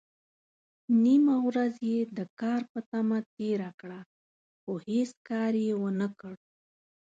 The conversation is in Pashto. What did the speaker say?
نيمه ورځ يې د کار په تمه تېره کړه، خو هيڅ کار يې ونکړ.